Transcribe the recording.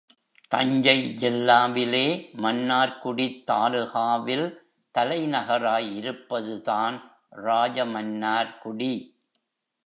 தஞ்சை ஜில்லாவிலே, மன்னார்குடித் தாலுகாவில் தலைநகராய் இருப்பதுதான் ராஜமன்னார்குடி.